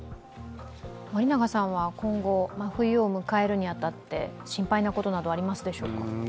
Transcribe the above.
今後、冬を迎えるに当たって心配なことなど、ありますでしょうか？